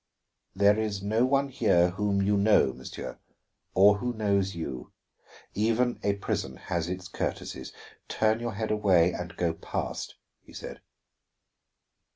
"There is no one here whom you know, monsieur, or who knows you. Even a prison has its courtesies. Turn your head away, and go past," he said.